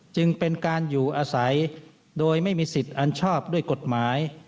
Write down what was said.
จึงเป็นการอยู่อาศัยโดยไม่มีสิทธิ์อันชอบด้วยกฎหมาย